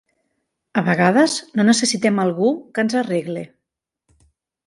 A vegades no necessitem algú que ens arregle.